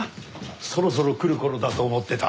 そろそろ来る頃だと思ってた。